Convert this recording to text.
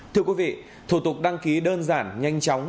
thưa quý vị thủ tục đăng ký đơn giản nhanh chóng